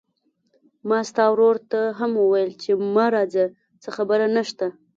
ما ستا ورور ته هم وويل چې ما راځه، څه خبره نشته.